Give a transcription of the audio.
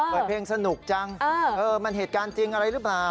เปิดเพลงสนุกจังมันเหตุการณ์จริงอะไรหรือเปล่า